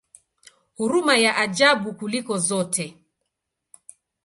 Huruma ya ajabu kuliko zote!